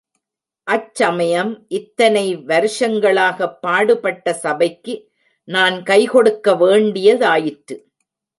அச்சமயம் இத்தனை வருஷங்களாகப் பாடுபட்ட சபைக்கு நான் கைகொடுக்க வேண்டிய தாயிற்று.